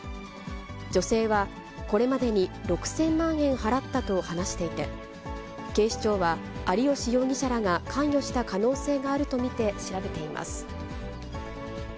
女性は、これまでに６０００万円払ったと話していて、警視庁は、有吉容疑者らが関与した可能性があると見て調べています。